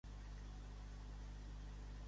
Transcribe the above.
Va néixer a Stemnitsa, Gortynia.